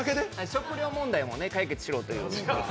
食糧問題も解決しろという。